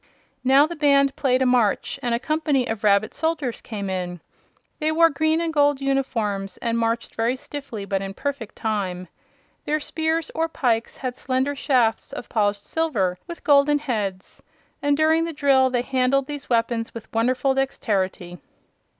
Now the band played a march and a company of rabbit soldiers came in. They wore green and gold uniforms and marched very stiffly but in perfect time. Their spears, or pikes, had slender shafts of polished silver with golden heads, and during the drill they handled these weapons with wonderful dexterity.